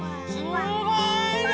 すごいね！